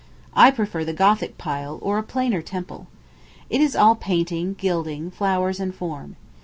I prefer the Gothic pile, or a plainer temple. It is all painting, gilding, flowers, and form.